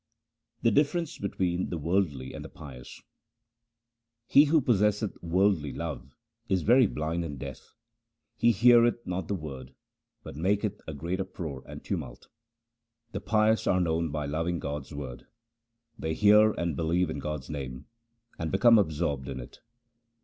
The difference between the worldly and the pious: — He who possesseth worldly love is very blind and deaf : He heareth not the Word, but maketh a great uproar and tumult. The pious are known by loving God's word ; They hear and believe in God's name and become absorbed in it.